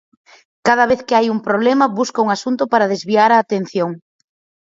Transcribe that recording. Cada vez que hai un problema, busca un asunto para desviar a atención.